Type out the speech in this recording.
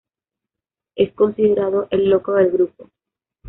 Es considerado el loco del grupo.